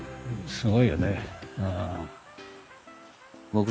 すごいよね。